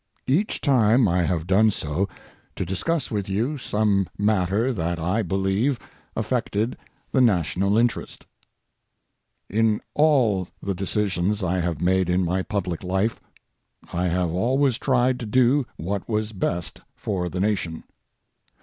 Each time I have done so to discuss with you some matter that I believe affected the national interest. In all the decisions I have made in my public life, I have always tried to do what was best for the Nation.